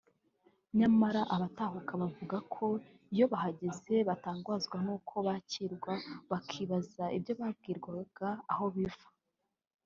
nyamara abatahuka bavuga ko iyo bahageze batangazwa n’uko bakirwa bakibaza ibyo babwirwaga aho biva